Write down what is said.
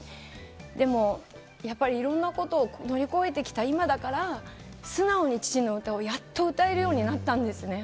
でも、やっぱりいろんなことを乗り越えてきた今だから素直に父の歌をやっと歌えるようになったんですね。